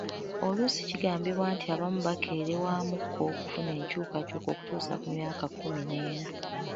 Oluusi kigambibwa nti abamu bakerewamuko okufuna enkyukakyuka okutuusa ku myaka kkumi n'ena.